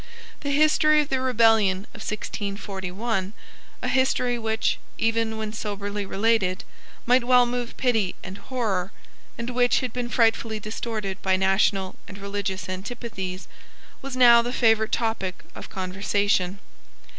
The history of the rebellion of 1641, a history which, even when soberly related, might well move pity and horror, and which had been frightfully distorted by national and religious antipathies, was now the favourite topic of conversation.